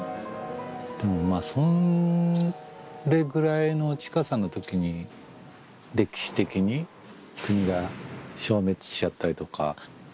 でもそれぐらいの近さの時に歴史的に国が消滅しちゃったりとか。